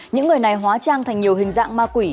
những người này hóa trang thành nhiều hình dạng ma quỷ